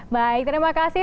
baik terima kasih